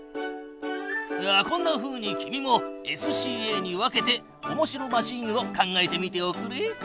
こんなふうに君もＳＣＡに分けておもしろマシーンを考えてみておくれ。